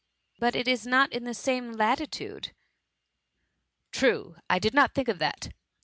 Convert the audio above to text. ^^ But it is not in the same latitude." " True ; I did not think of that